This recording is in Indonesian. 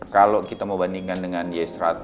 kalau kita mau bandingkan dengan y seratus